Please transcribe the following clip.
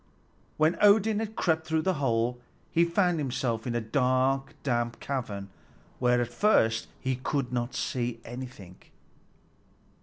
When Odin had crept through the hole, he found himself in a dark, damp cavern, where at first he could see nothing.